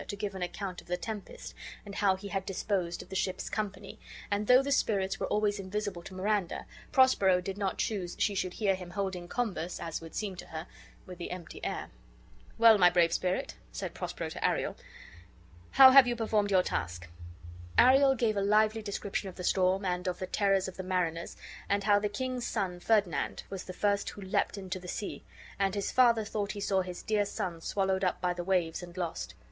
to give an account of the tempest, and how he had disposed of the ship's company, and though the spirits were always invisible to Miranda, Prospero did not choose she should hear him holding converse (as would seem to her) with the empty air. "Well, my brave spirit," said Prospero to Ariel, "how have you performed your task?" Ariel gave a lively description of the storm, and of the terrors of the mariners, and how the king's son, Ferdinand, was the first who leaped into the sea; and his father thought he saw his dear son swallowed up by the waves and lost.